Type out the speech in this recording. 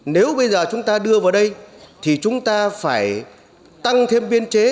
nếu bây giờ chúng ta đưa vào đây thì chúng ta phải tăng thêm biên chế